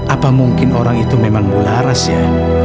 apa mungkin orang itu memang mularas ya